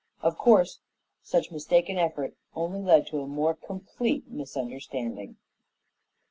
Or course, such mistaken effort only led to a more complete misunderstanding.